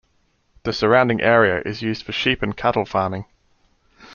The surrounding area is used for sheep and cattle farming.